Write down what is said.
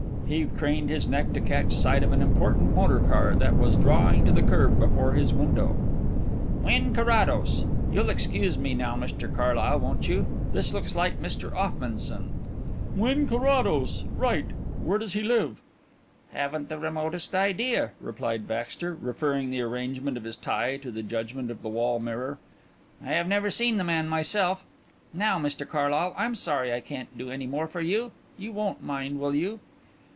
He craned his neck to catch sight of an important motor car that was drawing to the kerb before his window. "Wynn Carrados! You'll excuse me now, Mr Carlyle, won't you? This looks like Mr Offmunson." Mr Carlyle hastily scribbled the name down on his cuff. "Wynn Carrados, right. Where does he live?" "Haven't the remotest idea," replied Baxter, referring the arrangement of his tie to the judgment of the wall mirror. "I have never seen the man myself. Now, Mr Carlyle, I'm sorry I can't do any more for you. You won't mind, will you?"